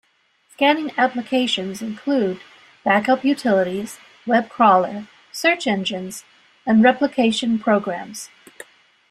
Scanning applications include backup utilities, web crawler, search engines, and replication programs.